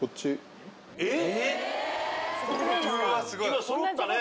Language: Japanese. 今そろったね。